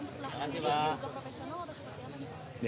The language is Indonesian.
jadi ini juga profesional atau seperti apa ya